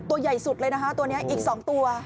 ตัวใหญ่สุดเลยนะคะตัวนี้อีก๒ตัว